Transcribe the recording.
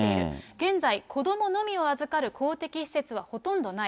現在、子どものみを預かる公的施設はほとんどない。